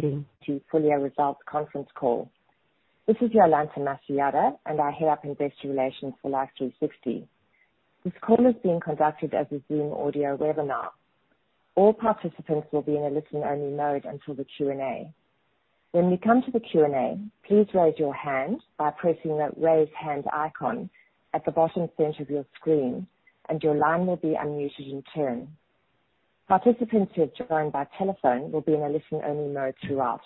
To Full-Year Results Conference Call. This is Jolanta Masojada. I head up investor relations for Life360. This call is being conducted as a Zoom audio webinar. All participants will be in a listen-only mode until the Q&A. When we come to the Q&A, please raise your hand by pressing the raise hand icon at the bottom center of your screen. Your line will be unmuted in turn. Participants who have joined by telephone will be in a listen-only mode throughout.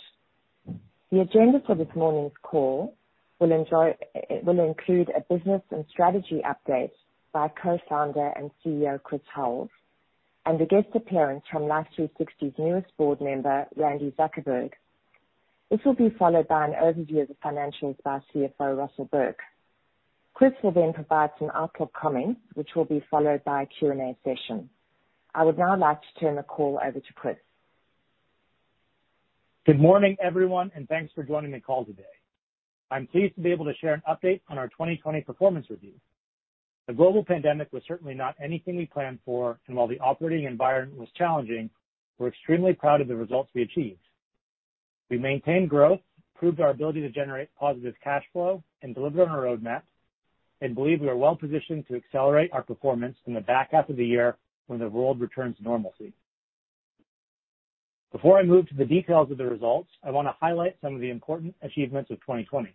The agenda for this morning's call will include a business and strategy update by Co-founder and CEO, Chris Hulls. A guest appearance from Life360's newest board member, Randi Zuckerberg. This will be followed by an overview of the financials by CFO Russell Burke. Chris will provide some outlook comments, which will be followed by a Q&A session. I would now like to turn the call over to Chris. Good morning, everyone, and thanks for joining the call today. I'm pleased to be able to share an update on our 2020 performance review. The global pandemic was certainly not anything we planned for, and while the operating environment was challenging, we're extremely proud of the results we achieved. We maintained growth, improved our ability to generate positive cash flow, and delivered on our roadmap, and believe we are well-positioned to accelerate our performance in the back half of the year when the world returns to normalcy. Before I move to the details of the results, I want to highlight some of the important achievements of 2020.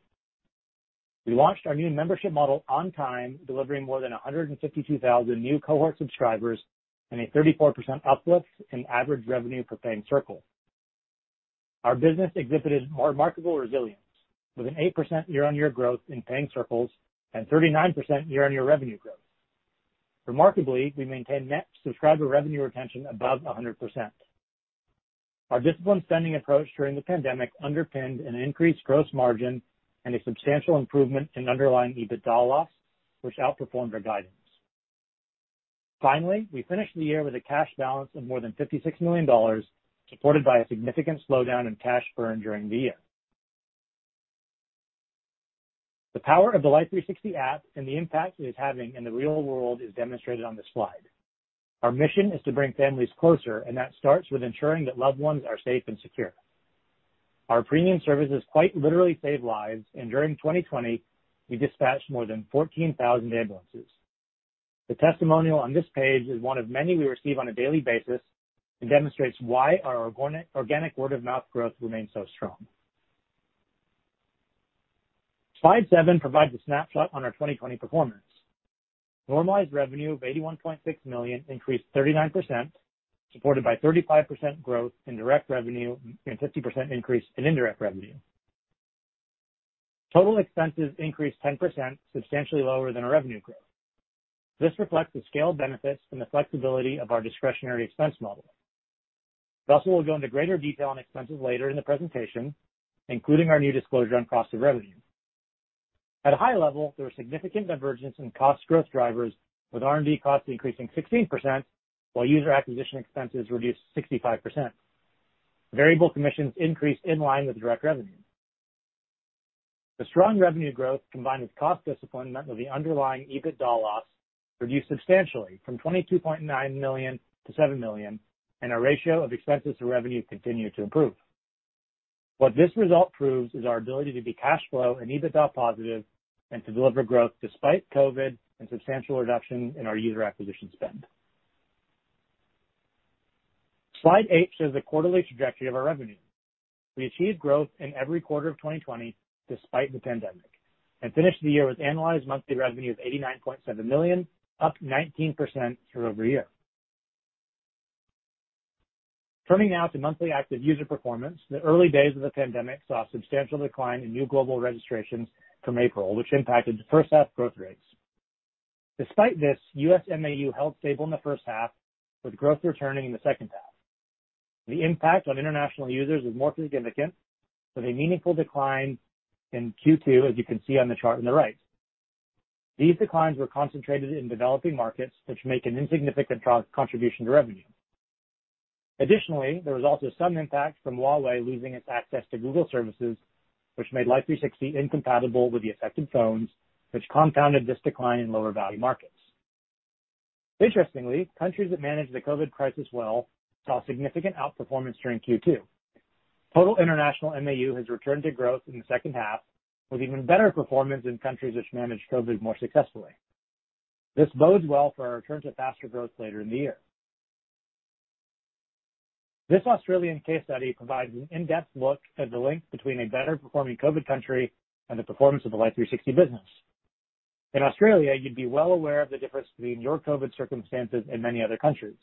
We launched our new membership model on time, delivering more than 152,000 new cohort subscribers and a 34% uplift in average revenue per paying circle. Our business exhibited remarkable resilience, with an 8% year-on-year growth in paying circles and 39% year-on-year revenue growth. Remarkably, we maintained net subscriber revenue retention above 100%. Our disciplined spending approach during the pandemic underpinned an increased gross margin and a substantial improvement in underlying EBITDA loss, which outperformed our guidance. Finally, we finished the year with a cash balance of more than $56 million, supported by a significant slowdown in cash burn during the year. The power of the Life360 app and the impact it is having in the real world is demonstrated on this slide. Our mission is to bring families closer, and that starts with ensuring that loved ones are safe and secure. Our premium services quite literally save lives, and during 2020, we dispatched more than 14,000 ambulances. The testimonial on this page is one of many we receive on a daily basis and demonstrates why our organic word-of-mouth growth remains so strong. Slide seven provides a snapshot on our 2020 performance. Normalized revenue of $81.6 million increased 39%, supported by 35% growth in direct revenue and 50% increase in indirect revenue. Total expenses increased 10%, substantially lower than our revenue growth. This reflects the scale benefits and the flexibility of our discretionary expense model. Russell will go into greater detail on expenses later in the presentation, including our new disclosure on cost of revenue. At a high level, there was significant divergence in cost growth drivers, with R&D costs increasing 16%, while user acquisition expenses reduced 65%. Variable commissions increased in line with direct revenue. The strong revenue growth, combined with cost discipline, meant that the underlying EBITDA loss reduced substantially from $22.9 million-$7 million, and our ratio of expenses to revenue continued to improve. What this result proves is our ability to be cash flow and EBITDA positive and to deliver growth despite COVID-19 and substantial reduction in our user acquisition spend. Slide eight shows the quarterly trajectory of our revenue. We achieved growth in every quarter of 2020 despite the pandemic and finished the year with annualized monthly revenue of $89.7 million, up 19% year-over-year. Turning now to monthly active user performance. The early days of the pandemic saw a substantial decline in new global registrations from April, which impacted the first half growth rates. Despite this, U.S. MAU held stable in the first half, with growth returning in the second half. The impact on international users was more significant, with a meaningful decline in Q2, as you can see on the chart on the right. These declines were concentrated in developing markets, which make an insignificant contribution to revenue. Additionally, there was also some impact from Huawei losing its access to Google services, which made Life360 incompatible with the affected phones, which compounded this decline in lower value markets. Interestingly, countries that managed the COVID crisis well saw significant outperformance during Q2. Total international MAU has returned to growth in the second half, with even better performance in countries which managed COVID more successfully. This bodes well for our return to faster growth later in the year. This Australian case study provides an in-depth look at the link between a better-performing COVID country and the performance of the Life360 business. In Australia, you'd be well aware of the difference between your COVID circumstances and many other countries.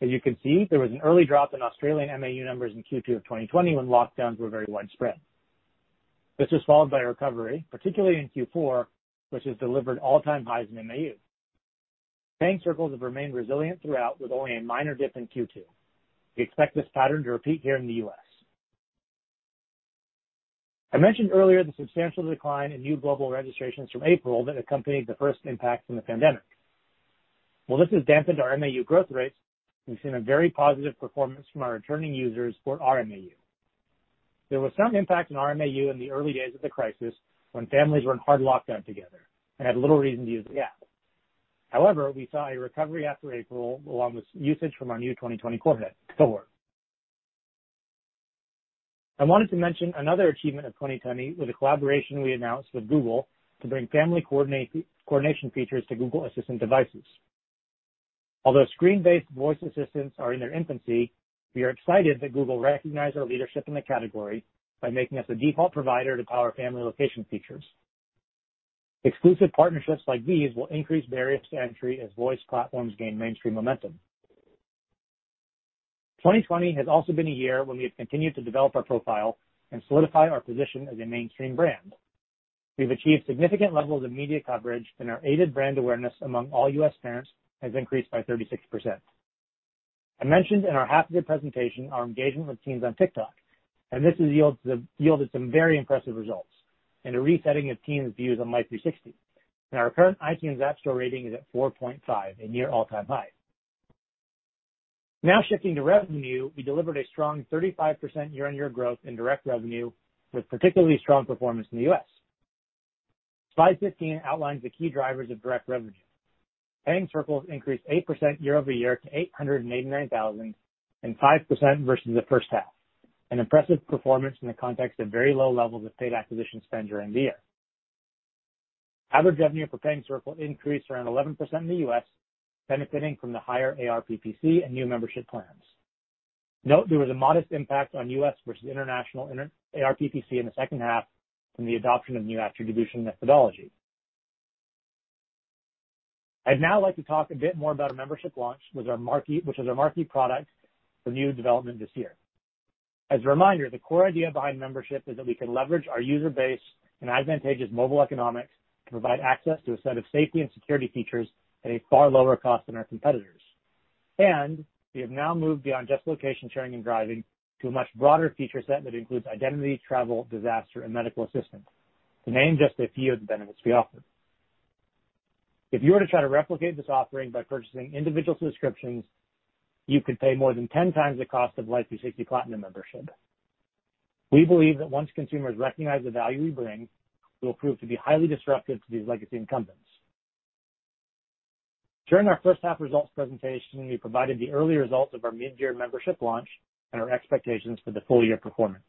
As you can see, there was an early drop in Australian MAU numbers in Q2 of 2020 when lockdowns were very widespread. This was followed by a recovery, particularly in Q4, which has delivered all-time highs in MAU. Paying circles have remained resilient throughout, with only a minor dip in Q2. We expect this pattern to repeat here in the U.S. I mentioned earlier the substantial decline in new global registrations from April that accompanied the first impact from the pandemic. While this has dampened our MAU growth rates, we've seen a very positive performance from our returning users for our MAU. There was some impact on our MAU in the early days of the crisis when families were in hard lockdown together and had little reason to use the app. However, we saw a recovery after April, along with usage from our new 2020 cohort. I wanted to mention another achievement of 2020 with a collaboration we announced with Google to bring family coordination features to Google Assistant devices. Although screen-based voice assistants are in their infancy, we are excited that Google recognized our leadership in the category by making us a default provider to power family location features. Exclusive partnerships like these will increase barriers to entry as voice platforms gain mainstream momentum. 2020 has also been a year when we have continued to develop our profile and solidify our position as a mainstream brand. Our aided brand awareness among all U.S. parents has increased by 36%. I mentioned in our half-year presentation our engagement with teens on TikTok, this has yielded some very impressive results and a resetting of teens' views on Life360. Our current App Store rating is at 4.5, a near all-time high. Now shifting to revenue, we delivered a strong 35% year-on-year growth in direct revenue, with particularly strong performance in the U.S. Slide 15 outlines the key drivers of direct revenue. Paying circles increased 8% year-over-year to 889,000 and 5% versus the first half, an impressive performance in the context of very low levels of paid acquisition spend during the year. Average revenue per paying circle increased around 11% in the U.S., benefiting from the higher ARPPC and new membership plans. Note there was a modest impact on U.S. versus international ARPPC in the second half from the adoption of new attribution methodology. I'd now like to talk a bit more about our membership launch, which is our marquee product for new development this year. As a reminder, the core idea behind membership is that we can leverage our user base and advantageous mobile economics to provide access to a set of safety and security features at a far lower cost than our competitors. We have now moved beyond just location sharing and driving to a much broader feature set that includes identity, travel, disaster, and medical assistance, to name just a few of the benefits we offer. If you were to try to replicate this offering by purchasing individual subscriptions, you could pay more than 10 times the cost of Life360 Platinum membership. We believe that once consumers recognize the value we bring, we will prove to be highly disruptive to these legacy incumbents. During our first half results presentation, we provided the early results of our mid-year membership launch and our expectations for the full-year performance.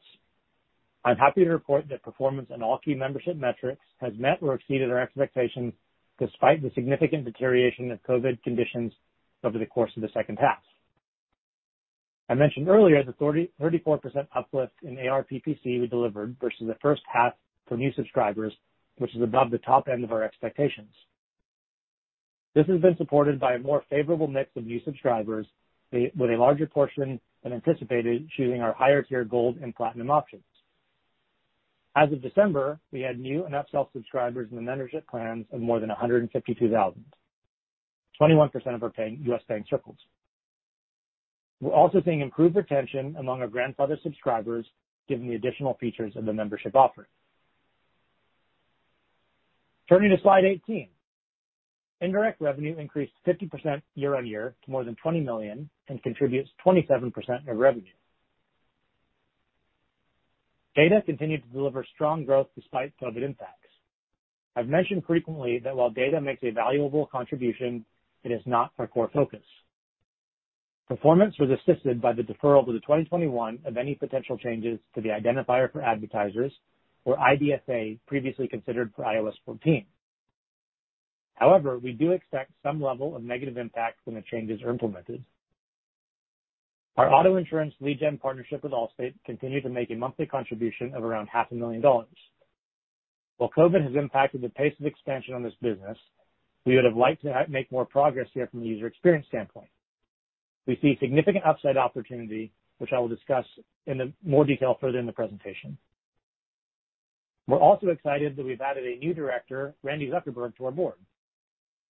I'm happy to report that performance on all key membership metrics has met or exceeded our expectations, despite the significant deterioration of COVID conditions over the course of the second half. I mentioned earlier the 34% uplift in ARPPC we delivered versus the first half for new subscribers, which is above the top end of our expectations. This has been supported by a more favorable mix of new subscribers, with a larger portion than anticipated choosing our higher-tier Gold and Platinum options. As of December, we had new and upsell subscribers in the membership plans of more than 152,000, 21% of our U.S. paying circles. We're also seeing improved retention among our grandfathered subscribers given the additional features of the membership offering. Turning to slide 18. Indirect revenue increased 50% year-on-year to more than $20 million and contributes 27% of revenue. Data continued to deliver strong growth despite COVID impacts. I've mentioned frequently that while data makes a valuable contribution, it is not our core focus. Performance was assisted by the deferral to the 2021 of any potential changes to the Identifier for Advertisers, or IDFA, previously considered for iOS 14. However, we do expect some level of negative impact when the changes are implemented. Our auto insurance lead gen partnership with Allstate continued to make a monthly contribution of around half a million dollars. While COVID has impacted the pace of expansion on this business, we would have liked to make more progress here from the user experience standpoint. We see significant upside opportunity, which I will discuss in more detail further in the presentation. We're also excited that we've added a new director, Randi Zuckerberg, to our board.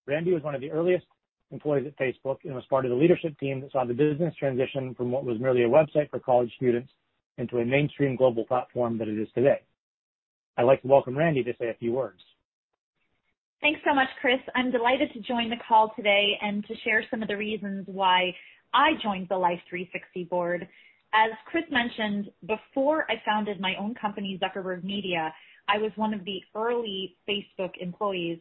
Randi was one of the earliest employees at Facebook and was part of the leadership team that saw the business transition from what was merely a website for college students into a mainstream global platform that it is today. I'd like to welcome Randi to say a few words. Thanks so much, Chris. I'm delighted to join the call today and to share some of the reasons why I joined the Life360 board. As Chris mentioned, before I founded my own company, Zuckerberg Media, I was one of the early Facebook employees.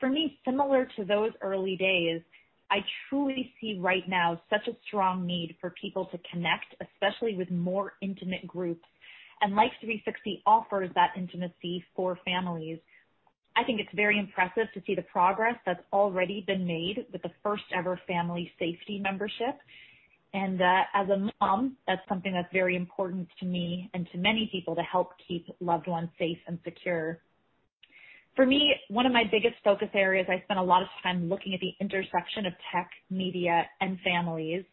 For me, similar to those early days, I truly see right now such a strong need for people to connect, especially with more intimate groups, and Life360 offers that intimacy for families. I think it's very impressive to see the progress that's already been made with the first ever family safety membership, and that as a mom, that's something that's very important to me and to many people, to help keep loved ones safe and secure. For me, one of my biggest focus areas, I spend a lot of time looking at the intersection of tech, media, and families,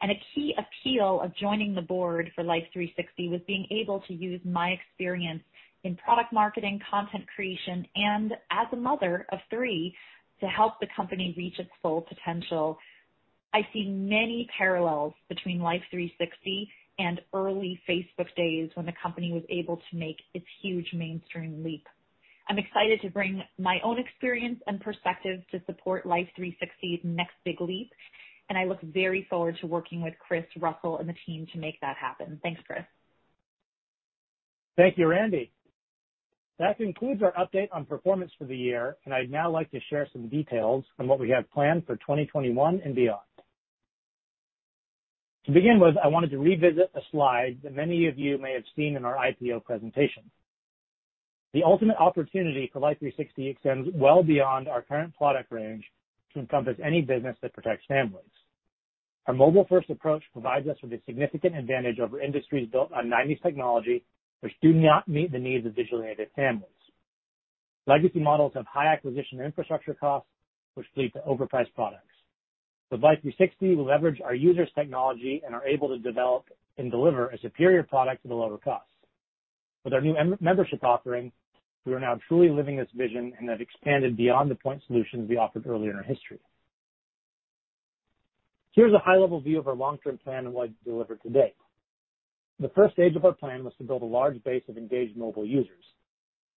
and a key appeal of joining the board for Life360 was being able to use my experience in product marketing, content creation, and as a mother of three, to help the company reach its full potential. I see many parallels between Life360 and early Facebook days when the company was able to make its huge mainstream leap. I'm excited to bring my own experience and perspective to support Life360's next big leap, and I look very forward to working with Chris, Russell, and the team to make that happen. Thanks, Chris. Thank you, Randi. That concludes our update on performance for the year. I'd now like to share some details on what we have planned for 2021 and beyond. To begin with, I wanted to revisit a slide that many of you may have seen in our IPO presentation. The ultimate opportunity for Life360 extends well beyond our current product range to encompass any business that protects families. Our mobile-first approach provides us with a significant advantage over industries built on '90s technology, which do not meet the needs of digital-native families. Legacy models have high acquisition infrastructure costs, which lead to overpriced products. Life360 will leverage our users' technology and are able to develop and deliver a superior product at a lower cost. With our new membership offering, we are now truly living this vision and have expanded beyond the point solutions we offered earlier in our history. Here's a high-level view of our long-term plan and what it's delivered to date. The first stage of our plan was to build a large base of engaged mobile users.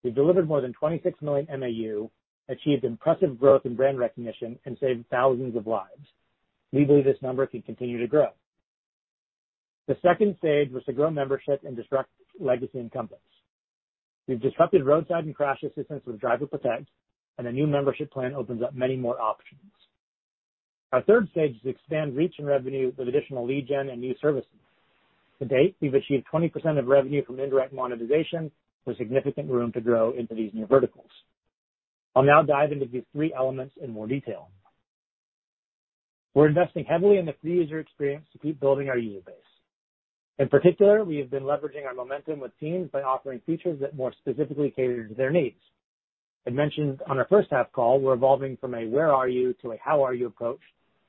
We've delivered more than 26 million MAU, achieved impressive growth in brand recognition, and saved thousands of lives. We believe this number can continue to grow. The second stage was to grow membership and disrupt legacy incumbents. We've disrupted roadside and crash assistance with Driver Protect, and a new membership plan opens up many more options. Our third stage is to expand reach and revenue with additional lead gen and new services. To date, we've achieved 20% of revenue from indirect monetization, with significant room to grow into these new verticals. I'll now dive into these three elements in more detail. We're investing heavily in the free user experience to keep building our user base. In particular, we have been leveraging our momentum with teens by offering features that more specifically cater to their needs. I mentioned on our first half call, we're evolving from a where are you to a how are you approach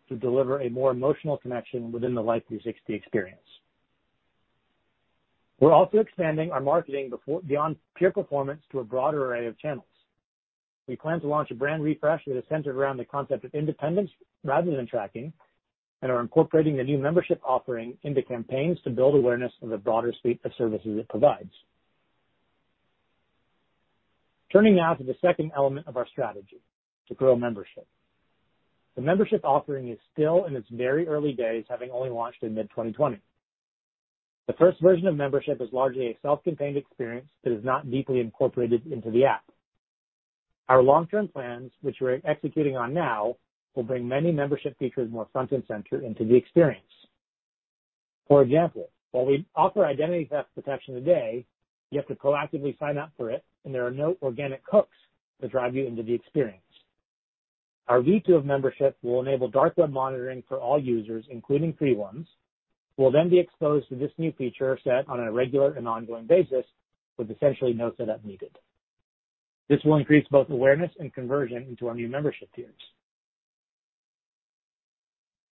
to deliver a more emotional connection within the Life360 experience. We're also expanding our marketing beyond pure performance to a broader array of channels. We plan to launch a brand refresh that is centered around the concept of independence rather than tracking, and are incorporating the new membership offering into campaigns to build awareness of the broader suite of services it provides. Turning now to the second element of our strategy, to grow membership. The membership offering is still in its very early days, having only launched in mid-2020. The first version of membership is largely a self-contained experience that is not deeply incorporated into the app. Our long-term plans, which we're executing on now, will bring many membership features more front and center into the experience. For example, while we offer identity theft protection today, you have to proactively sign up for it, and there are no organic hooks to drive you into the experience. Our V2 of membership will enable dark web monitoring for all users, including free ones, who will then be exposed to this new feature set on a regular and ongoing basis with essentially no setup needed. This will increase both awareness and conversion into our new membership tiers.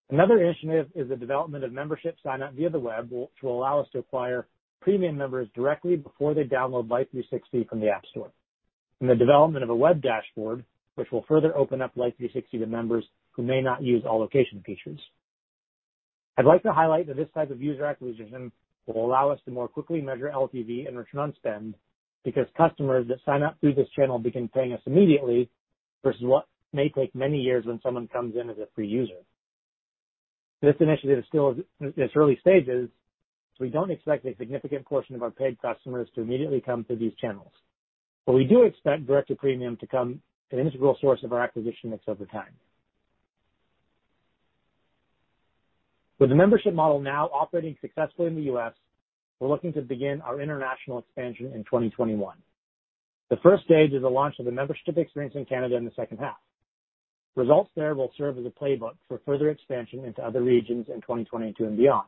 Another initiative is the development of membership sign-up via the web, which will allow us to acquire premium members directly before they download Life360 from the App Store, and the development of a web dashboard, which will further open up Life360 to members who may not use all location features. I'd like to highlight that this type of user acquisition will allow us to more quickly measure LTV and return on spend because customers that sign up through this channel begin paying us immediately versus what may take many years when someone comes in as a free user. We don't expect a significant portion of our paid customers to immediately come through these channels. We do expect direct to premium to become an integral source of our acquisition mix over time. With the membership model now operating successfully in the U.S., we're looking to begin our international expansion in 2021. The first stage is the launch of the membership experience in Canada in the second half. Results there will serve as a playbook for further expansion into other regions in 2022 and beyond.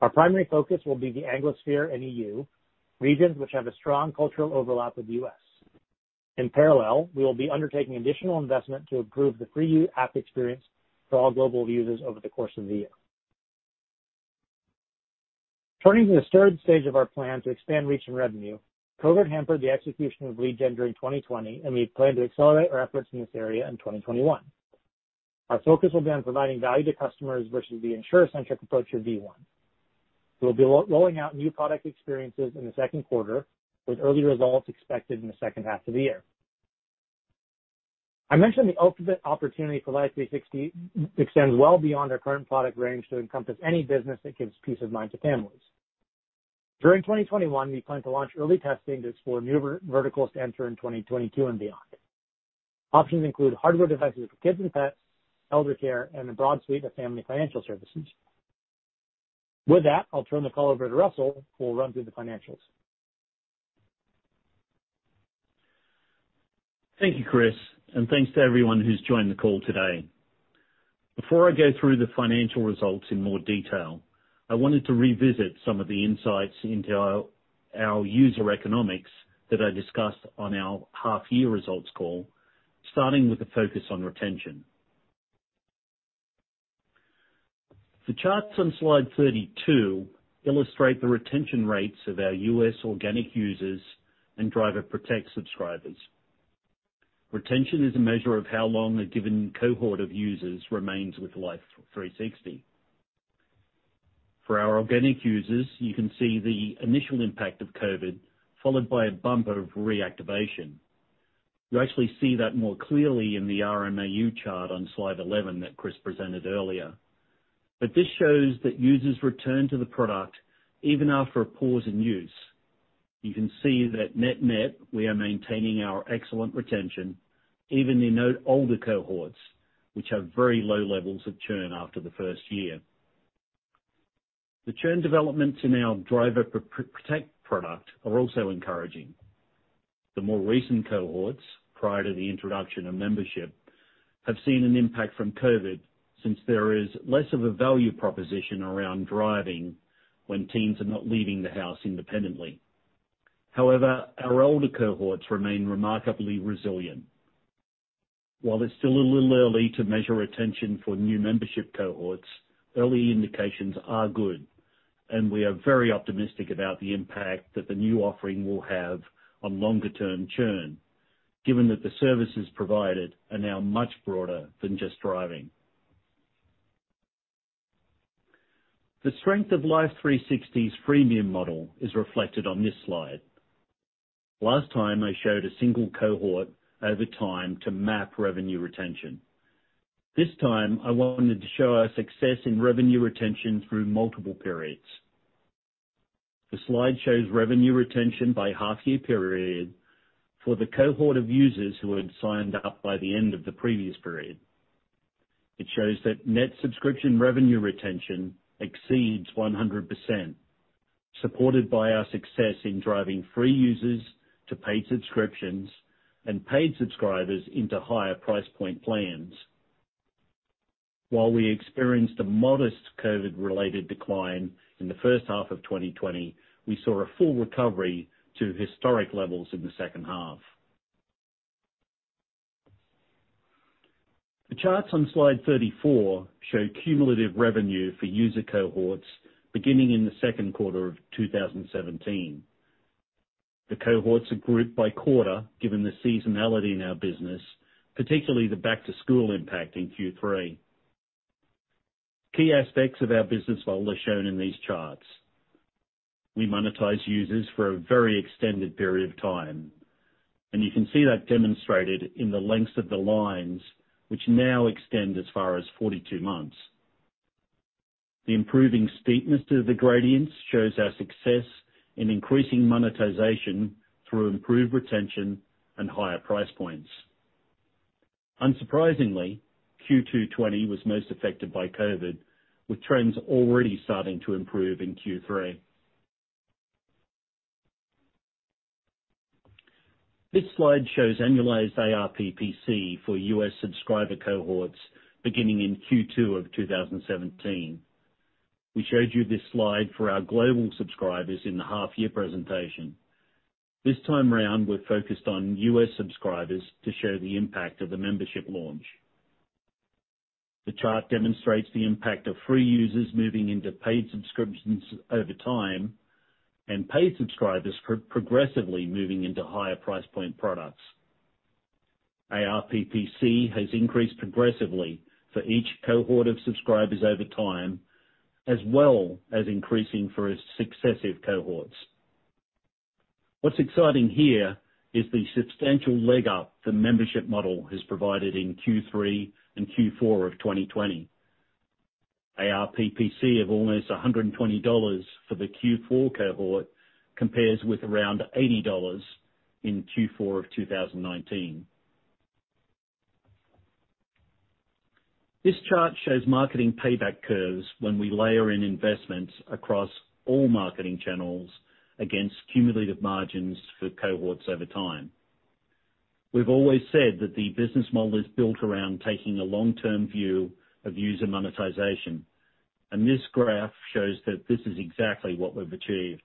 Our primary focus will be the Anglosphere and EU, regions which have a strong cultural overlap with the U.S. In parallel, we will be undertaking additional investment to improve the free app experience for all global users over the course of the year. Turning to the third stage of our plan to expand reach and revenue, COVID hampered the execution of lead gen during 2020, and we plan to accelerate our efforts in this area in 2021. Our focus will be on providing value to customers versus the insurer-centric approach of V1. We'll be rolling out new product experiences in the Q2. With early results expected in the second half of the year. I mentioned the ultimate opportunity for Life360 extends well beyond our current product range to encompass any business that gives peace of mind to families. During 2021, we plan to launch early testing to explore new verticals to enter in 2022 and beyond. Options include hardware devices for kids and pets, elder care, and a broad suite of family financial services. With that, I'll turn the call over to Russell, who will run through the financials. Thank you, Chris. Thanks to everyone who's joined the call today. Before I go through the financial results in more detail, I wanted to revisit some of the insights into our user economics that I discussed on our half-year results call, starting with a focus on retention. The charts on slide 32 illustrate the retention rates of our U.S. organic users and Driver Protect subscribers. Retention is a measure of how long a given cohort of users remains with Life360. For our organic users, you can see the initial impact of COVID, followed by a bump of reactivation. You actually see that more clearly in the RMAU chart on slide 11 that Chris presented earlier. This shows that users return to the product even after a pause in use. You can see that net net, we are maintaining our excellent retention even in older cohorts, which have very low levels of churn after the first year. The churn developments in our Driver Protect product are also encouraging. The more recent cohorts, prior to the introduction of membership, have seen an impact from COVID since there is less of a value proposition around driving when teens are not leaving the house independently. Our older cohorts remain remarkably resilient. It's still a little early to measure retention for new membership cohorts, early indications are good, and we are very optimistic about the impact that the new offering will have on longer-term churn, given that the services provided are now much broader than just driving. The strength of Life360's freemium model is reflected on this slide. I showed a single cohort over time to map revenue retention. This time I wanted to show our success in revenue retention through multiple periods. The slide shows revenue retention by half-year period for the cohort of users who had signed up by the end of the previous period. It shows that net subscription revenue retention exceeds 100%, supported by our success in driving free users to paid subscriptions and paid subscribers into higher price point plans. While we experienced a modest COVID-related decline in the H1 of 2020, we saw a full recovery to historic levels in the second half. The charts on slide 34 show cumulative revenue for user cohorts beginning in the Q2 of 2017. The cohorts are grouped by quarter, given the seasonality in our business, particularly the back-to-school impact in Q3. Key aspects of our business model are shown in these charts. We monetize users for a very extended period of time. You can see that demonstrated in the lengths of the lines, which now extend as far as 42 months. The improving steepness of the gradients shows our success in increasing monetization through improved retention and higher price points. Unsurprisingly, Q2 2020 was most affected by COVID, with trends already starting to improve in Q3. This slide shows annualized ARPPC for U.S. subscriber cohorts beginning in Q2 of 2017. We showed you this slide for our global subscribers in the half-year presentation. This time around, we're focused on U.S. subscribers to show the impact of the membership launch. The chart demonstrates the impact of free users moving into paid subscriptions over time, and paid subscribers progressively moving into higher price point products. ARPPC has increased progressively for each cohort of subscribers over time, as well as increasing for successive cohorts. What's exciting here is the substantial leg up the membership model has provided in Q3 and Q4 of 2020. ARPPC of almost $120 for the Q4 cohort compares with around $80 in Q4 of 2019. This chart shows marketing payback curves when we layer in investments across all marketing channels against cumulative margins for cohorts over time. We've always said that the business model is built around taking a long-term view of user monetization. This graph shows that this is exactly what we've achieved.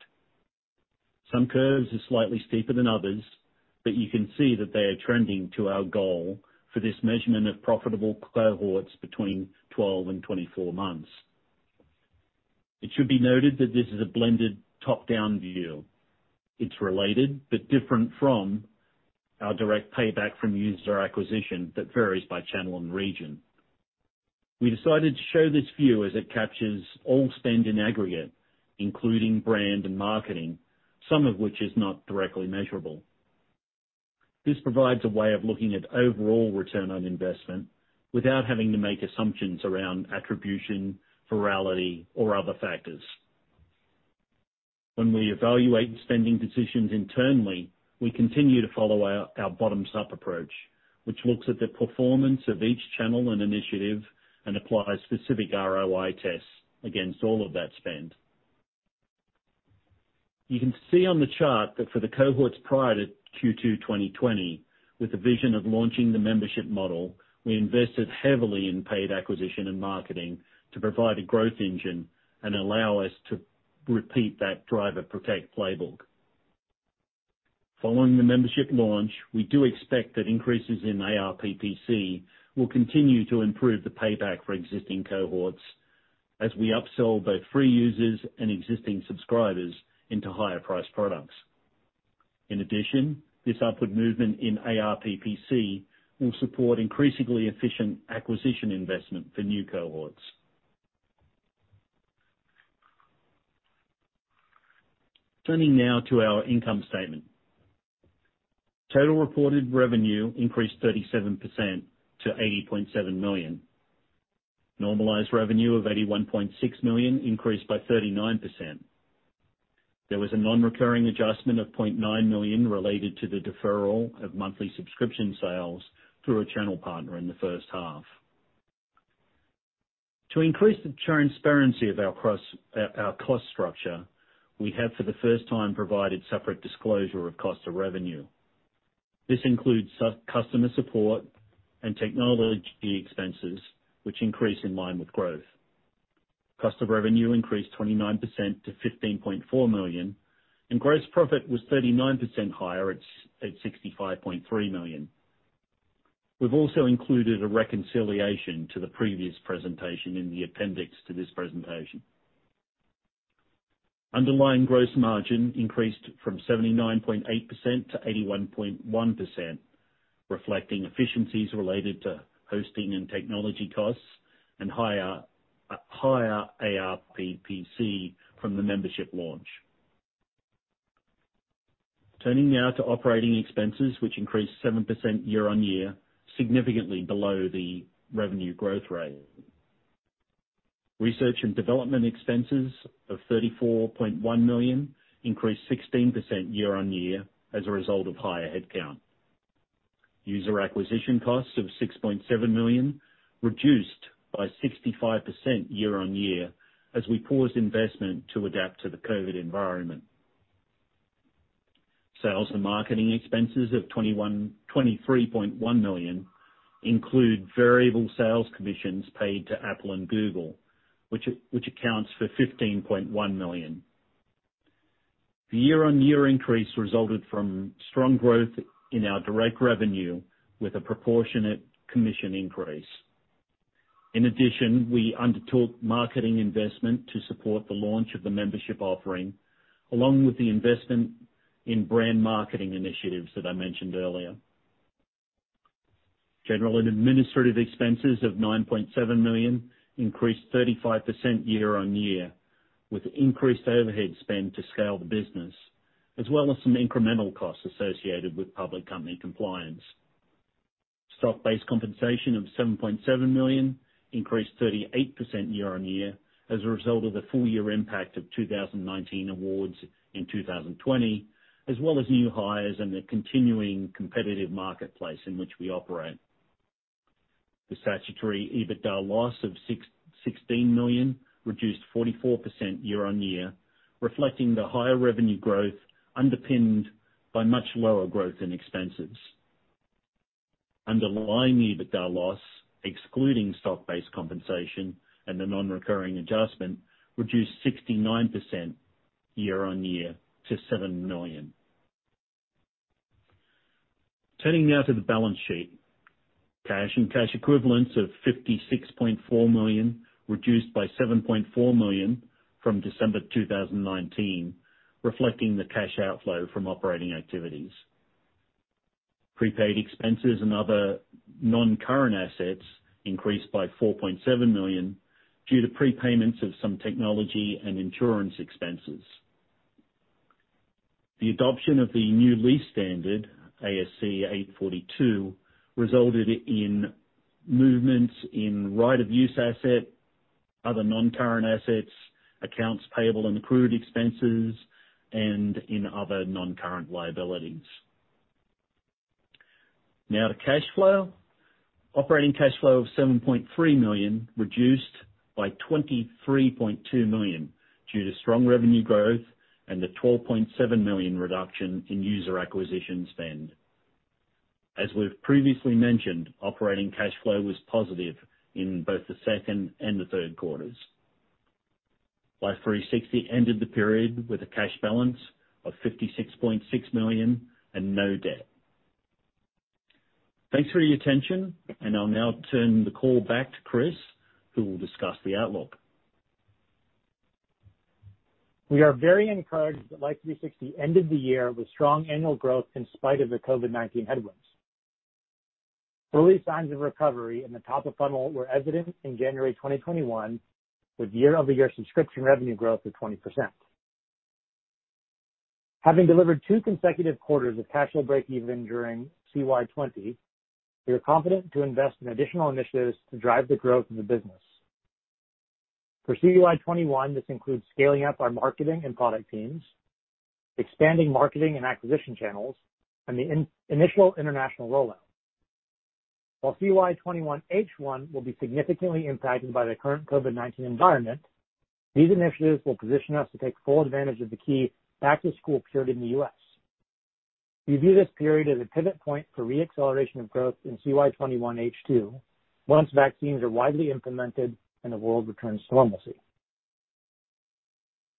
Some curves are slightly steeper than others, but you can see that they are trending to our goal for this measurement of profitable cohorts between 12 and 24 months. It should be noted that this is a blended top-down view. It's related but different from our direct payback from user acquisition that varies by channel and region. We decided to show this view as it captures all spend in aggregate, including brand and marketing, some of which is not directly measurable. This provides a way of looking at overall return on investment without having to make assumptions around attribution, virality, or other factors. When we evaluate spending decisions internally, we continue to follow our bottom-up approach, which looks at the performance of each channel and initiative and applies specific ROI tests against all of that spend. You can see on the chart that for the cohorts prior to Q2 2020, with the vision of launching the membership model, we invested heavily in paid acquisition and marketing to provide a growth engine and allow us to repeat that Driver Protect playbook. Following the membership launch, we do expect that increases in ARPPC will continue to improve the payback for existing cohorts as we upsell both free users and existing subscribers into higher priced products. In addition, this upward movement in ARPPC will support increasingly efficient acquisition investment for new cohorts. Turning now to our income statement. Total reported revenue increased 37% to $80.7 million. Normalized revenue of $81.6 million increased by 39%. There was a non-recurring adjustment of $0.9 million related to the deferral of monthly subscription sales through a channel partner in the first half. To increase the transparency of our cost structure, we have, for the first time, provided separate disclosure of cost of revenue. This includes customer support and technology expenses, which increase in line with growth. Cost of revenue increased 29% to $15.4 million, and gross profit was 39% higher at $65.3 million. We've also included a reconciliation to the previous presentation in the appendix to this presentation. Underlying gross margin increased from 79.8%-81.1%, reflecting efficiencies related to hosting and technology costs, and higher ARPC from the membership launch. Turning now to operating expenses, which increased 7% year-on-year, significantly below the revenue growth rate. Research and development expenses of $34.1 million increased 16% year-on-year as a result of higher headcount. User acquisition costs of $6.7 million reduced by 65% year-on-year as we paused investment to adapt to the COVID environment. Sales and marketing expenses of $23.1 million include variable sales commissions paid to Apple and Google, which accounts for $15.1 million. The year-on-year increase resulted from strong growth in our direct revenue with a proportionate commission increase. In addition, we undertook marketing investment to support the launch of the membership offering, along with the investment in brand marketing initiatives that I mentioned earlier. General and administrative expenses of $9.7 million increased 35% year-on-year, with increased overhead spend to scale the business, as well as some incremental costs associated with public company compliance. Stock-based compensation of $7.7 million increased 38% year-on-year as a result of the full-year impact of 2019 awards in 2020, as well as new hires and the continuing competitive marketplace in which we operate. The statutory EBITDA loss of $16 million reduced 44% year-on-year, reflecting the higher revenue growth underpinned by much lower growth in expenses. Underlying EBITDA loss, excluding stock-based compensation and the non-recurring adjustment, reduced 69% year-on-year to $7 million. Turning now to the balance sheet. Cash and cash equivalents of $56.4 million reduced by $7.4 million from December 2019, reflecting the cash outflow from operating activities. Prepaid expenses and other non-current assets increased by $4.7 million due to prepayments of some technology and insurance expenses. The adoption of the new lease standard, ASC 842, resulted in movements in right of use asset, other non-current assets, accounts payable and accrued expenses, and in other non-current liabilities. Now to cash flow. Operating cash flow of $7.3 million reduced by $23.2 million due to strong revenue growth and the $12.7 million reduction in user acquisition spend. As we've previously mentioned, operating cash flow was positive in both the second and the third quarters. Life360 ended the period with a cash balance of $56.6 million and no debt. Thanks for your attention, and I'll now turn the call back to Chris, who will discuss the outlook. We are very encouraged that Life360 ended the year with strong annual growth in spite of the COVID-19 headwinds. Early signs of recovery in the top of funnel were evident in January 2021, with year-over-year subscription revenue growth of 20%. Having delivered two consecutive quarters of cash flow break-even during CY 2020, we are confident to invest in additional initiatives to drive the growth of the business. For CY 2021, this includes scaling up our marketing and product teams, expanding marketing and acquisition channels, and the initial international rollout. While CY 2021 H1 will be significantly impacted by the current COVID-19 environment, these initiatives will position us to take full advantage of the key back-to-school period in the U.S. We view this period as a pivot point for re-acceleration of growth in CY 2021 H2, once vaccines are widely implemented and the world returns to normalcy.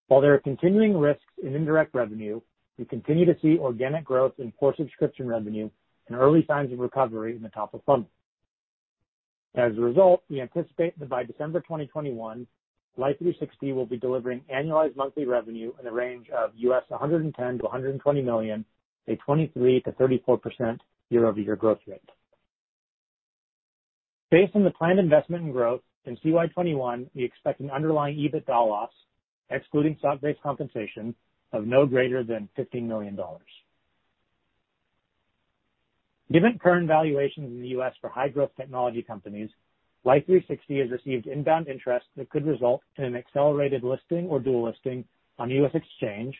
While there are continuing risks in indirect revenue, we continue to see organic growth in core subscription revenue and early signs of recovery in the top of funnel. As a result, we anticipate that by December 2021, Life360 will be delivering annualized monthly revenue in the range of $110 million-$120 million, a 23%-34% year-over-year growth rate. Based on the planned investment and growth in CY 2021, we expect an underlying EBITDA loss, excluding stock-based compensation of no greater than $15 million. Given current valuations in the U.S. for high growth technology companies, Life360 has received inbound interest that could result in an accelerated listing or dual listing on U.S. exchange,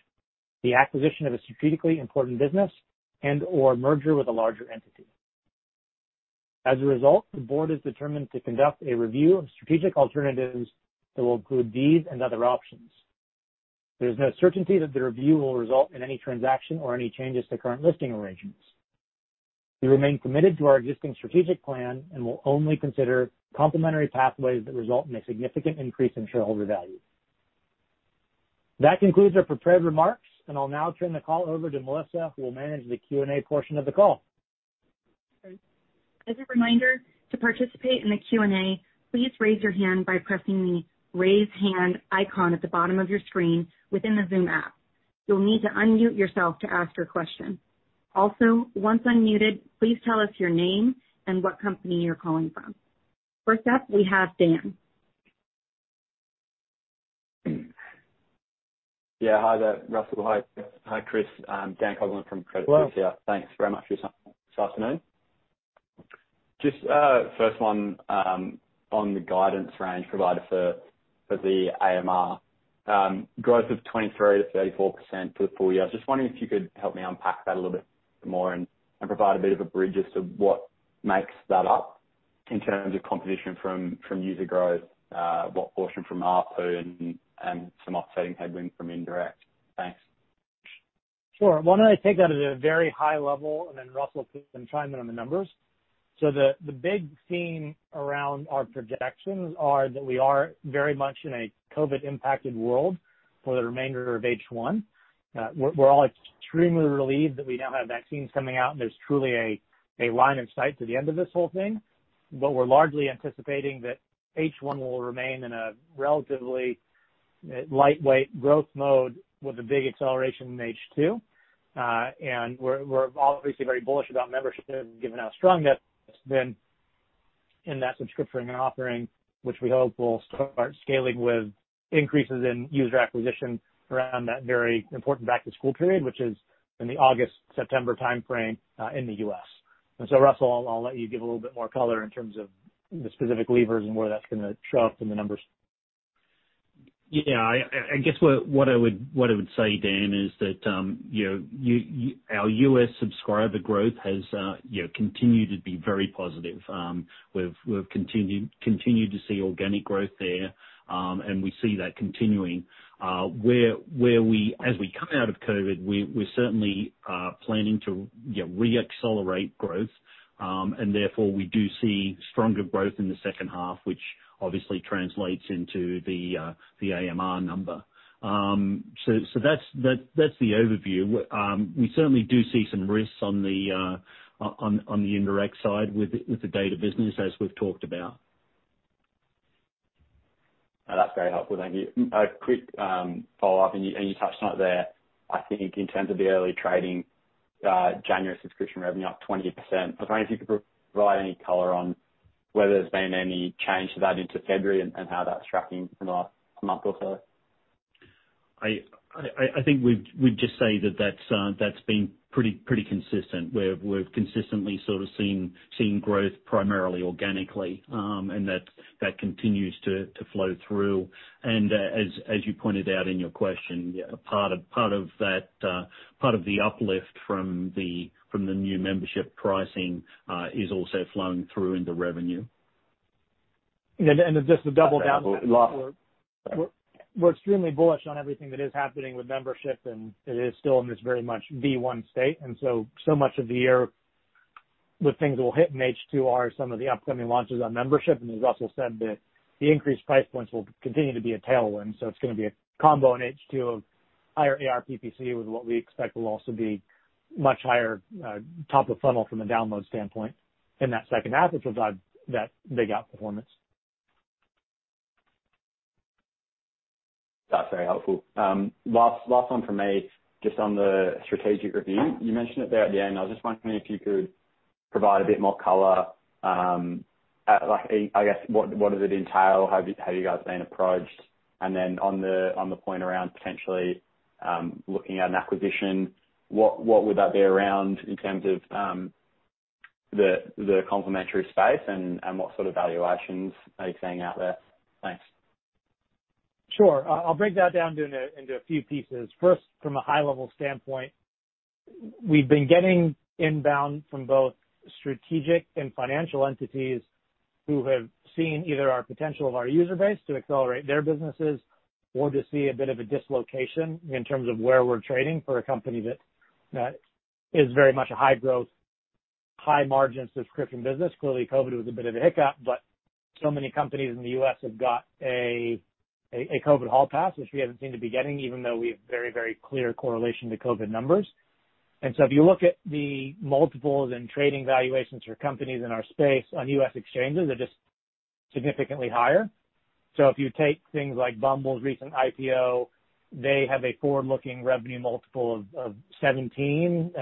the acquisition of a strategically important business and/or merger with a larger entity. As a result, the board is determined to conduct a review of strategic alternatives that will include these and other options. There's no certainty that the review will result in any transaction or any changes to current listing arrangements. We remain committed to our existing strategic plan and will only consider complementary pathways that result in a significant increase in shareholder value. That concludes our prepared remarks. I'll now turn the call over to Melissa, who will manage the Q&A portion of the call. As a reminder, to participate in the Q&A, please raise your hand by pressing the raise hand icon at the bottom of your screen within the Zoom app. You'll need to unmute yourself to ask your question. Also, once unmuted, please tell us your name and what company you're calling from. First up, we have Dan. Yeah. Hi there, Russell. Hi, Chris. Dan Coughlan from Credit Suisse here. Hello. Thanks very much. This afternoon. First one on the guidance range provided for the AMR. Growth of 23%-34% for the full-year. I was just wondering if you could help me unpack that a little bit more and provide a bit of a bridge as to what makes that up in terms of competition from user growth, what portion from ARPU and some offsetting headwind from indirect. Thanks. Sure. Why don't I take that at a very high level and then Russell can chime in on the numbers? The big theme around our projections are that we are very much in a COVID-impacted world for the remainder of H1. We're all extremely relieved that we now have vaccines coming out, and there's truly a line of sight to the end of this whole thing. We're largely anticipating that H1 will remain in a relatively lightweight growth mode with a big acceleration in H2. We're obviously very bullish about membership given how strong that's been in that subscription offering, which we hope will start scaling with increases in user acquisition around that very important back-to-school period, which is in the August, September timeframe, in the U.S. Russell, I'll let you give a little bit more color in terms of the specific levers and where that's going to show up in the numbers. Yeah. I guess what I would say, Dan, is that our U.S. subscriber growth has continued to be very positive. We've continued to see organic growth there. We see that continuing. As we come out of COVID, we're certainly planning to re-accelerate growth. Therefore, we do see stronger growth in the second half, which obviously translates into the AMR number. That's the overview. We certainly do see some risks on the indirect side with the data business as we've talked about. That's very helpful. Thank you. A quick follow-up, and you touched on it there, I think in terms of the early trading, January subscription revenue up 20%. I was wondering if you could provide any color on whether there's been any change to that into February and how that's tracking for the last month or so. I think we'd just say that that's been pretty consistent. We've consistently sort of seen growth primarily organically, and that continues to flow through. As you pointed out in your question, part of the uplift from the new membership pricing is also flowing through into revenue. And just to double down- Last. Sorry. We're extremely bullish on everything that is happening with membership, and it is still in this very much V1 state, and so much of the year with things that will hit in H2 are some of the upcoming launches on membership. As Russell said, the increased price points will continue to be a tailwind. It's going to be a combo in H2 of higher ARPPC with what we expect will also be much higher, top of funnel from a download standpoint in that second half, which will drive that big outperformance. That's very helpful. Last one from me, just on the strategic review. You mentioned it there at the end. I was just wondering if you could provide a bit more color. I guess, what does it entail? How have you guys been approached? Then on the point around potentially, looking at an acquisition, what would that be around in terms of the complementary space and what sort of valuations are you seeing out there? Thanks. Sure. I'll break that down into a few pieces. First, from a high-level standpoint, we've been getting inbound from both strategic and financial entities who have seen either our potential of our user base to accelerate their businesses or just see a bit of a dislocation in terms of where we're trading for a company that is very much a high growth, high margin subscription business. Clearly, COVID was a bit of a hiccup, so many companies in the U.S. have got a COVID hall pass, which we haven't seemed to be getting, even though we have very clear correlation to COVID numbers. If you look at the multiples and trading valuations for companies in our space on U.S. exchanges, they're significantly higher. If you take things like Bumble's recent IPO, they have a forward-looking revenue multiple of 17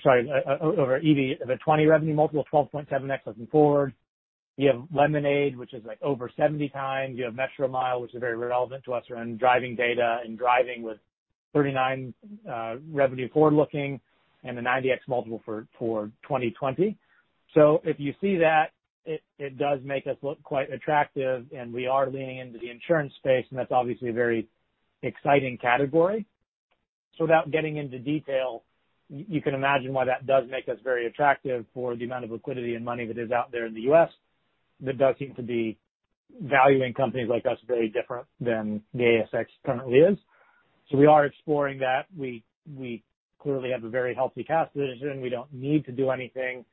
Sorry, over EV, they have a 20 revenue multiple, 12.7x looking forward. You have Lemonade, which is over 70 times. You have Metromile, which is very relevant to us around driving data and driving with 39 revenue forward looking and a 90x multiple for 2020. If you see that, it does make us look quite attractive, and we are leaning into the insurance space, and that's obviously a very exciting category. Without getting into detail, you can imagine why that does make us very attractive for the amount of liquidity and money that is out there in the U.S. that does seem to be valuing companies like us very different than the ASX currently is. We are exploring that. We clearly have a very healthy cash position. We don't need to do anything,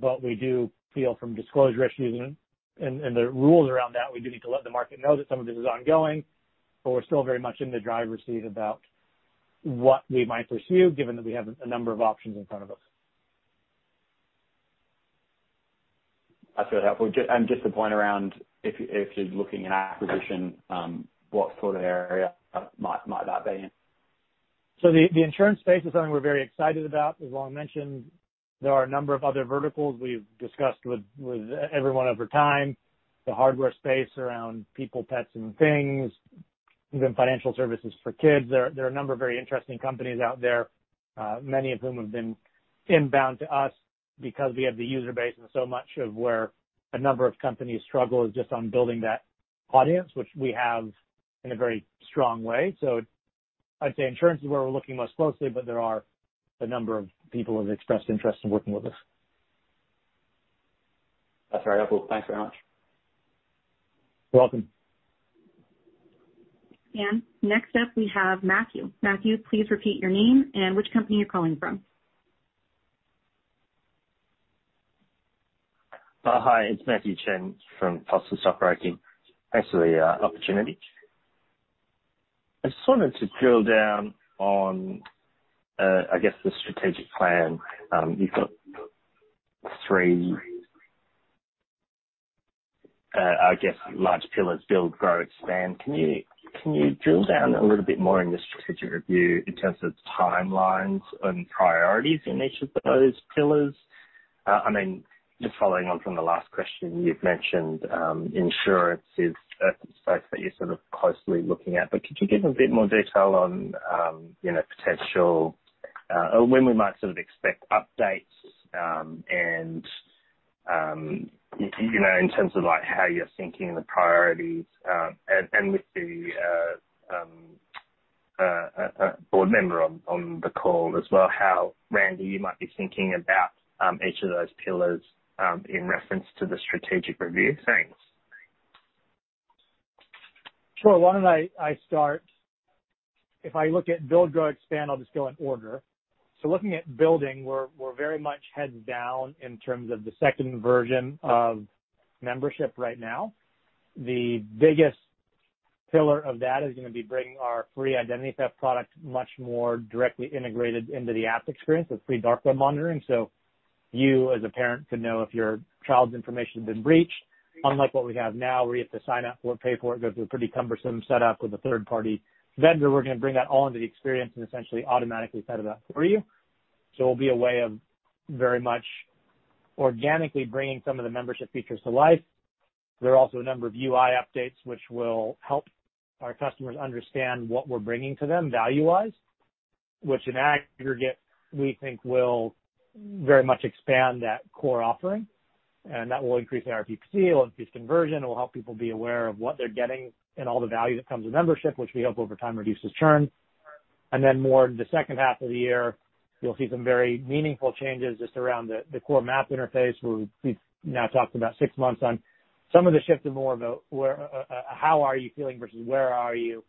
but we do feel from disclosure issues and the rules around that, we do need to let the market know that some of this is ongoing, but we're still very much in the driver's seat about what we might pursue, given that we have a number of options in front of us. That's really helpful. Just the point around if you're looking at acquisition, what sort of area might that be in? The insurance space is something we're very excited about. As I mentioned, there are a number of other verticals we've discussed with everyone over time. The hardware space around people, pets, and things, even financial services for kids. There are a number of very interesting companies out there, many of whom have been inbound to us because we have the user base and so much of where a number of companies struggle is just on building that audience, which we have in a very strong way. I'd say insurance is where we're looking most closely, but there are a number of people who have expressed interest in working with us. That's very helpful. Thanks very much. You're welcome. Next up, we have Matthew. Matthew, please repeat your name and which company you are calling from. Hi, it's Matthew Chen from Foster Stockbroking. Thanks for the opportunity. I just wanted to drill down on, I guess, the strategic plan. You've got three, I guess, large pillars: build, grow, expand. Can you drill down a little bit more in the strategic review in terms of timelines and priorities in each of those pillars? Just following on from the last question, you've mentioned insurance is a space that you're sort of closely looking at, but could you give a bit more detail on potential or when we might sort of expect updates, and in terms of how you're thinking and the priorities, and with the board member on the call as well, how, Randi, you might be thinking about each of those pillars, in reference to the strategic review? Thanks. Sure. Why don't I start? If I look at build, grow, expand, I'll just go in order. Looking at building, we're very much heads down in terms of the second version of membership right now. The biggest pillar of that is going to be bringing our free identity theft product much more directly integrated into the app experience with free dark web monitoring. You, as a parent, could know if your child's information has been breached, unlike what we have now, where you have to sign up for it, pay for it, go through a pretty cumbersome setup with a third party vendor. We're going to bring that all into the experience and essentially automatically set it up for you. It'll be a way of very much organically bringing some of the membership features to life. There are also a number of UI updates which will help our customers understand what we're bringing to them value-wise, which in aggregate, we think will very much expand that core offering, and that will increase ARPPC, it'll increase conversion, it will help people be aware of what they're getting and all the value that comes with membership, which we hope over time reduces churn. More in the second half of the year, you'll see some very meaningful changes just around the core map interface, where we've now talked about six months on some of the shift to more of a how are you feeling versus where are you.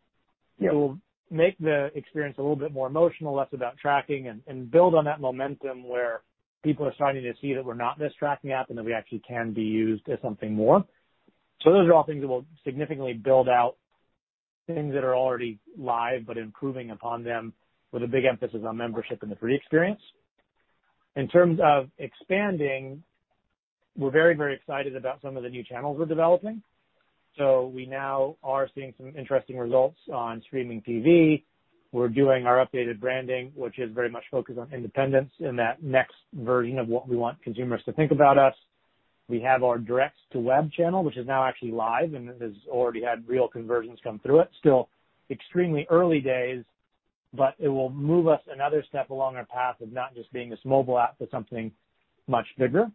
It will make the experience a little bit more emotional, less about tracking, and build on that momentum where people are starting to see that we're not this tracking app and that we actually can be used as something more. Those are all things that will significantly build out things that are already live, but improving upon them with a big emphasis on membership and the free experience. In terms of expanding, we're very, very excited about some of the new channels we're developing. We now are seeing some interesting results on streaming TV. We're doing our updated branding, which is very much focused on independence in that next version of what we want consumers to think about us. We have our direct-to-web channel, which is now actually live and has already had real conversions come through it. Still extremely early days, it will move us another step along our path of not just being this mobile app, but something much bigger.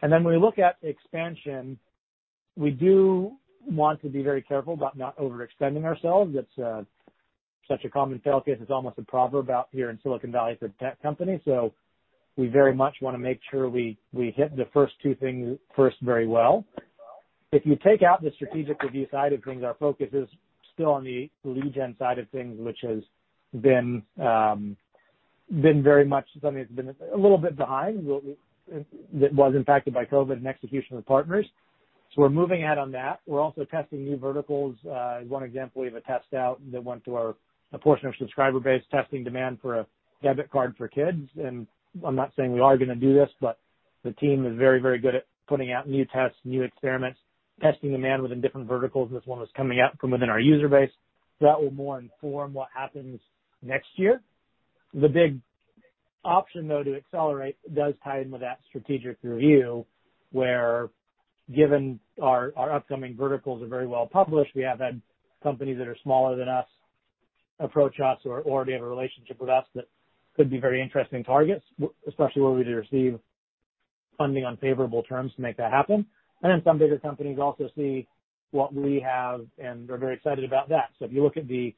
When we look at expansion, we do want to be very careful about not overextending ourselves. That's such a common fail case. It's almost a proverb out here in Silicon Valley for tech companies. We very much want to make sure we hit the first two things first very well. If you take out the strategic review side of things, our focus is still on the lead gen side of things, which has been very much something that's been a little bit behind, that was impacted by COVID and execution with partners. We're moving ahead on that. We're also testing new verticals. One example, we have a test out that went to a portion of our subscriber base, testing demand for a debit card for kids. I'm not saying we are going to do this, but the team is very good at putting out new tests, new experiments, testing demand within different verticals, and this one was coming out from within our user base. That will more inform what happens next year. The big option, though, to accelerate, does tie in with that strategic review, where given our upcoming verticals are very well-published, we have had companies that are smaller than us approach us or already have a relationship with us that could be very interesting targets, especially where we receive funding on favorable terms to make that happen. Some bigger companies also see what we have, and they're very excited about that. If you look at the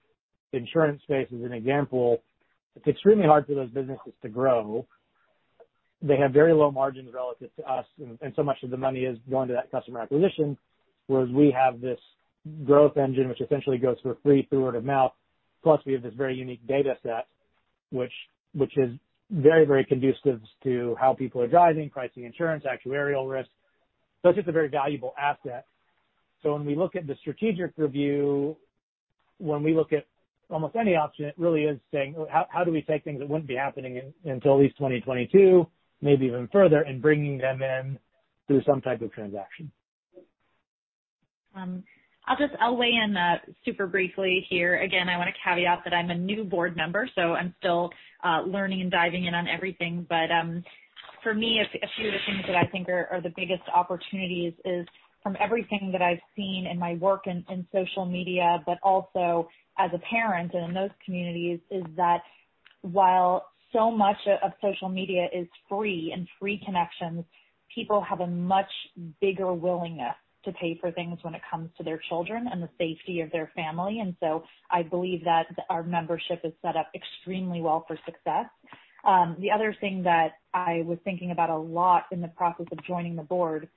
insurance space as an example, it's extremely hard for those businesses to grow. They have very low margins relative to us, and so much of the money is going to that customer acquisition, whereas we have this growth engine, which essentially grows for free through word of mouth. Plus, we have this very unique data set, which is very conducive to how people are driving, pricing insurance, actuarial risk. It's just a very valuable asset. When we look at the strategic review, when we look at almost any option, it really is saying, how do we take things that wouldn't be happening until at least 2022, maybe even further, and bringing them in through some type of transaction? I'll weigh in super briefly here. I want to caveat that I'm a new board member, I'm still learning and diving in on everything. For me, a few of the things that I think are the biggest opportunities is from everything that I've seen in my work in social media, but also as a parent and in those communities, is that while so much of social media is free and free connections, people have a much bigger willingness to pay for things when it comes to their children and the safety of their family. I believe that our membership is set up extremely well for success. The other thing that I was thinking about a lot in the process of joining the board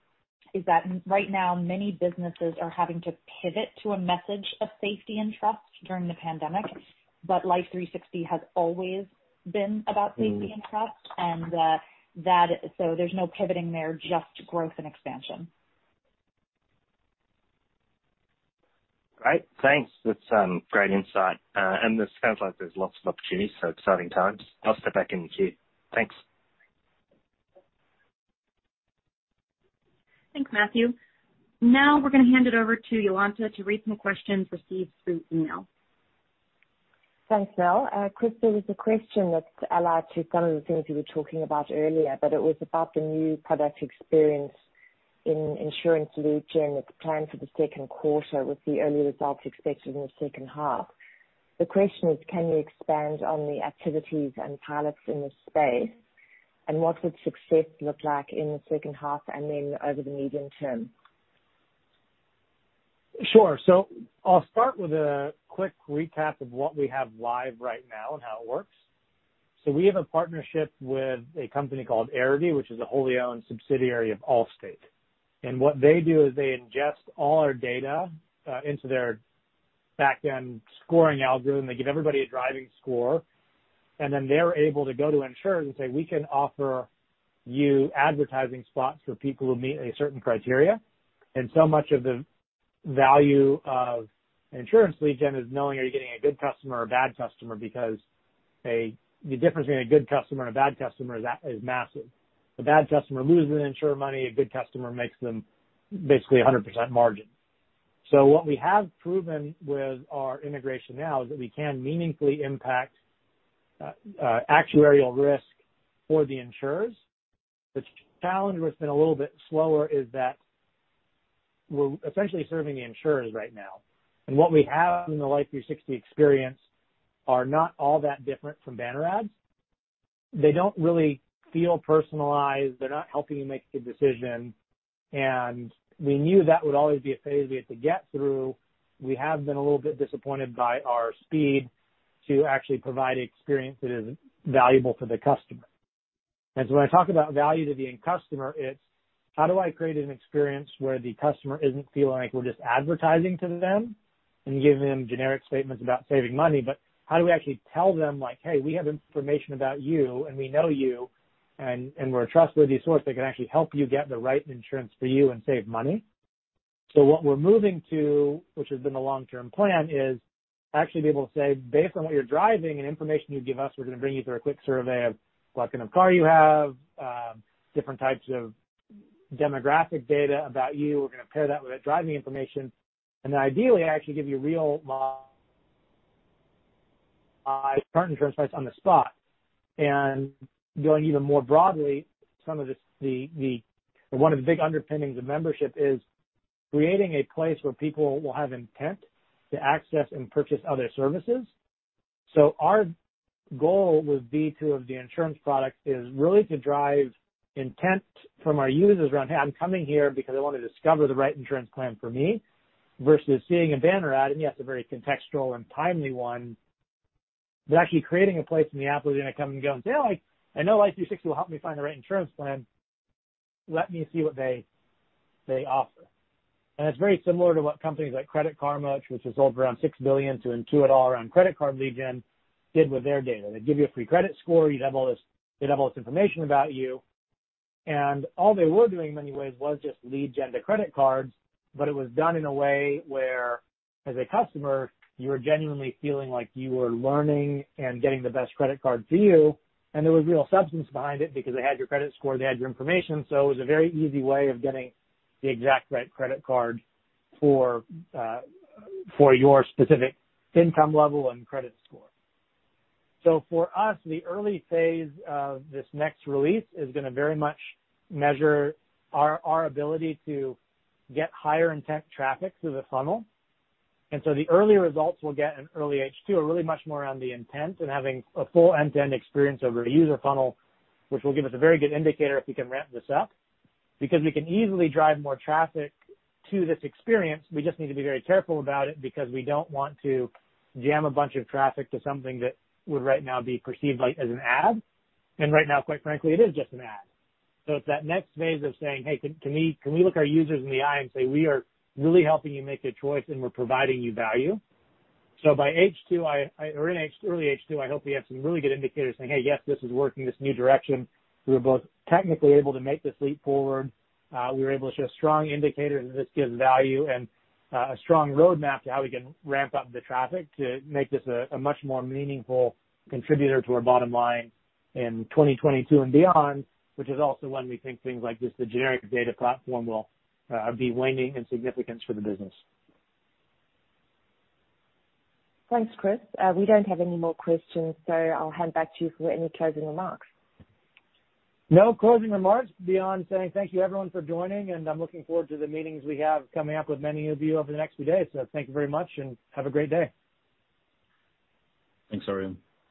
is that right now, many businesses are having to pivot to a message of safety and trust during the pandemic. Life360 has always been about safety and trust. There's no pivoting there, just growth and expansion. Great. Thanks. That's great insight. This sounds like there's lots of opportunities, exciting times. I'll step back in the queue. Thanks. Thanks, Matthew. We're going to hand it over to Jolanta to read some questions received through email. Thanks, Mel. Chris, there was a question that's allied to some of the things you were talking about earlier, but it was about the new product experience in insurance lead gen with the plan for the Q2, with the early results expected in the second half. The question is, can you expand on the activities and pilots in this space? What would success look like in the second half and then over the medium term? Sure. I'll start with a quick recap of what we have live right now and how it works. We have a partnership with a company called Arity, which is a wholly owned subsidiary of Allstate. What they do is they ingest all our data into their back-end scoring algorithm. They give everybody a driving score, and then they're able to go to insurers and say, "We can offer you advertising spots for people who meet a certain criteria." Much of the value of insurance lead gen is knowing, are you getting a good customer or a bad customer? Because the difference between a good customer and a bad customer is massive. A bad customer loses the insurer money. A good customer makes them basically 100% margin. What we have proven with our integration now is that we can meaningfully impact actuarial risk for the insurers. The challenge that's been a little bit slower is that we're essentially serving the insurers right now. What we have in the Life360 experience are not all that different from banner ads. They don't really feel personalized. They're not helping you make a good decision. We knew that would always be a phase we had to get through. We have been a little bit disappointed by our speed to actually provide experience that is valuable to the customer. When I talk about value to the end customer, it's how do I create an experience where the customer isn't feeling like we're just advertising to them and giving them generic statements about saving money, but how do we actually tell them, like, "Hey, we have information about you, and we know you, and we're a trustworthy source that can actually help you get the right insurance for you and save money." What we're moving to, which has been the long-term plan, is to actually be able to say, based on what you're driving and information you give us, we're going to bring you through a quick survey of what kind of car you have, different types of demographic data about you. We're going to pair that with that driving information, ideally, I actually give you a real-life car insurance price on the spot. Going even more broadly, one of the big underpinnings of membership is creating a place where people will have intent to access and purchase other services. Our goal would be to have the insurance product is really to drive intent from our users around, hey, I'm coming here because I want to discover the right insurance plan for me, versus seeing a banner ad, and yes, a very contextual and timely one. Actually creating a place in the app where they're going to come and go and say, "I know Life360 will help me find the right insurance plan. Let me see what they offer." It's very similar to what companies like Credit Karma, which was sold for around $6 billion to Intuit, all around credit card lead gen did with their data. They give you a free credit score. They'd have all this information about you, and all they were doing in many ways was just lead gen to credit cards, but it was done in a way where, as a customer, you were genuinely feeling like you were learning and getting the best credit card for you, and there was real substance behind it because they had your credit score, they had your information. It was a very easy way of getting the exact right credit card for your specific income level and credit score. For us, the early phase of this next release is going to very much measure our ability to get higher intent traffic through the funnel. The early results we'll get in early H2 are really much more around the intent and having a full end-to-end experience over a user funnel, which will give us a very good indicator if we can ramp this up. We can easily drive more traffic to this experience, we just need to be very careful about it because we don't want to jam a bunch of traffic to something that would right now be perceived as an ad. Right now, quite frankly, it is just an ad. It's that next phase of saying, "Hey, can we look our users in the eye and say, 'We are really helping you make a choice, and we're providing you value?'" By H2, or in early H2, I hope we have some really good indicators saying, "Hey, yes, this is working, this new direction." We were both technically able to make this leap forward. We were able to show strong indicators that this gives value and a strong roadmap to how we can ramp up the traffic to make this a much more meaningful contributor to our bottom line in 2022 and beyond, which is also when we think things like just the generic data platform will be waning in significance for the business. Thanks, Chris. We don't have any more questions, so I'll hand back to you for any closing remarks. No closing remarks beyond saying thank you everyone for joining, and I'm looking forward to the meetings we have coming up with many of you over the next few days. Thank you very much, and have a great day. Thanks, everyone.